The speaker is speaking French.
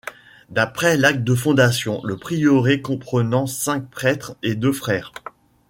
D'après l'acte de fondation, le prieuré comprenant cinq prêtres et deux frères.